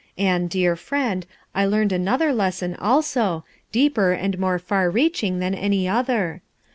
"And, dear friend, I learned another lesson abo, deeper and more far reaching than any other.